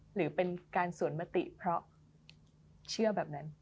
หรือเป็นการสวนมติเพราะเชื่อแบบนั้น